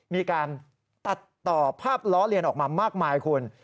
มีการตัดต่อภาพล้อเลียนออกมามากมายคุณ